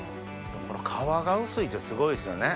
皮が薄いってすごいですよね。